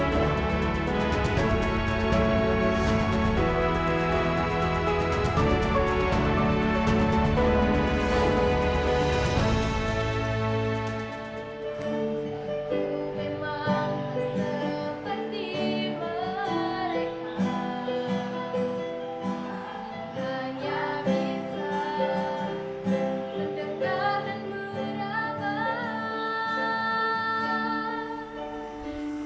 aku hanya bisa mendengar dan meragam